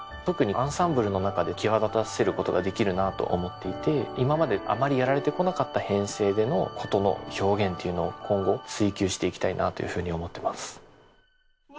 特にアンサンブルの中で際立たせることができるなと思っていて今まであまりやられてこなかった編成での筝の表現というのを今後追求していきたいなというふうに思ってます。